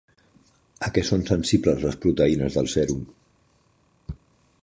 A què són sensibles les proteïnes del sèrum?